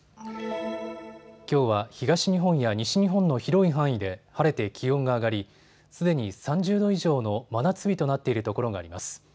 きょうは東日本や西日本の広い範囲で晴れて気温が上がり、すでに３０度以上の真夏日となっているところがあります。